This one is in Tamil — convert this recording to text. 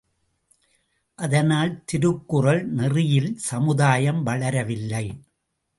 அதனால் திருக்குறள் நெறியில் சமுதாயம் வளரவில்லை.